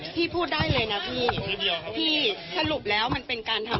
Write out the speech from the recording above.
พี่พี่อยากพูดอะไรไหม